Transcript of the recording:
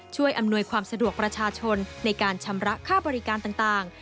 อำนวยความสะดวกประชาชนในการชำระค่าบริการต่าง